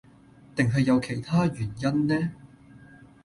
定係有其他原因呢